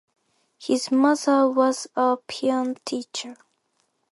His mother was a piano teacher.